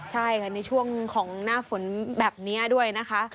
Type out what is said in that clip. ใช่ค่ะในช่วงของหน้าฝนแบบนี้ด้วยนะคะ